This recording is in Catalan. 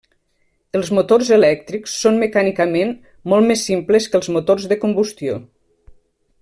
Els motors elèctrics són mecànicament molt més simples que els motors de combustió.